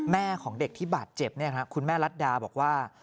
แม่ของเด็กที่บาดเจ็บคุณแม่รัฐดาบอกว่า